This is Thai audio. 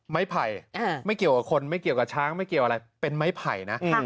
ไผ่ไม่เกี่ยวกับคนไม่เกี่ยวกับช้างไม่เกี่ยวอะไรเป็นไม้ไผ่นะ